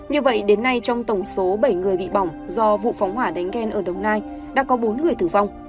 như vậy đến nay trong tổng số bảy người bị bỏng do vụ phóng hỏa đánh ghen ở đồng nai đã có bốn người tử vong